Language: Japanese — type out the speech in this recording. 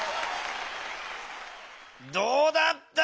どうだった？